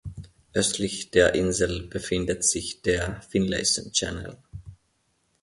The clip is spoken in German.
Östlich der Insel befindet sich der „Finlayson Channel“.